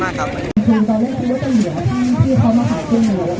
สวัสดีครับทุกคนวันนี้เกิดขึ้นทุกวันนี้นะครับ